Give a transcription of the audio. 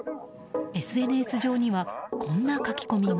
ＳＮＳ上にはこんな書き込みが。